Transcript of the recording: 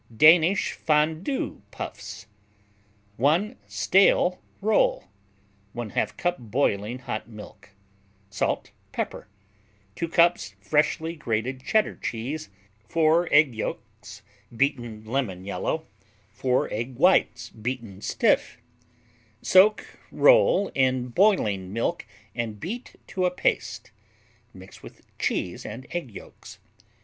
Danish Fondue Puffs 1 stale roll 1/2 cup boiling hot milk Salt Pepper 2 cups freshly grated Cheddar cheese 4 egg yolks, beaten lemon yellow 4 egg whites, beaten stiff Soak roll in boiling milk and beat to a paste. Mix with cheese and egg yolks.